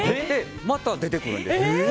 また出てくるんです。